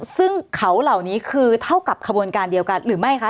ซึ่งเขาเหล่านี้คือเท่ากับขบวนการเดียวกันหรือไม่คะ